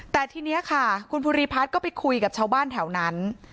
แต่ทีนี้ค่ะคุณภูริพัฒน์ก็ไปคุยกับชาวบ้านแถวนั้น